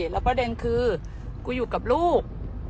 แล้วประเด็นคือกูอยู่กับลูก